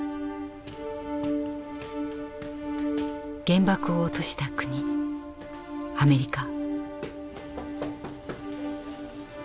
原爆を落とした国アメリカ。